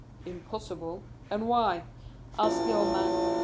"Impossible? and why?" asked the old man.